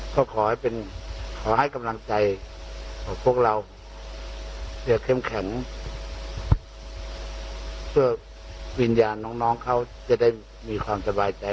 ก็ขอให้กำลังใจพวกเราอย่าเข้มแข็งเพื่อวิญญาณน้องเขาจะได้มีความสบายใจ